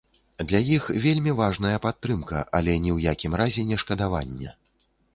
Для іх вельмі важная падтрымка, але ні ў якім разе не шкадаванне.